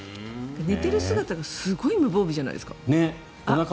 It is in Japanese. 寝ている姿がすごい無防備じゃないですか？